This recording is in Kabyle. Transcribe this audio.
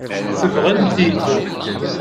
Sebɣen-t-id.